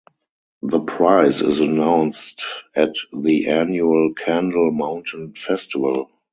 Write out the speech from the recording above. The prize is announced at the annual Kendal Mountain Festival.